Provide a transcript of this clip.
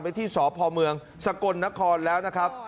ที่สพเมืองสกลนครแล้วนะครับ